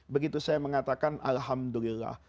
begitu saya mengatakan alhamdulillah